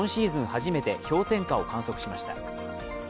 初めて氷点下を観測しました。